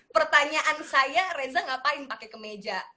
pertanyaan saya reza ngapain pakai kemeja